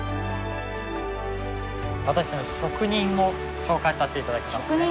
私たちの職人を紹介させて頂きますね。